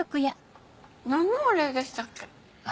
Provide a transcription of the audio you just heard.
何のお礼でしたっけ？